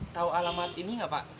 tau alamat ini gak pak